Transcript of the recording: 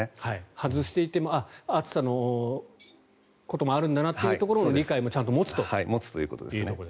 外していても暑さのこともあるんだという理解もちゃんと持つということですね。